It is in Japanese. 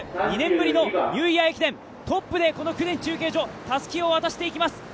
２年ぶりのニューイヤー駅伝トップで公田中継所、たすきを渡していきます。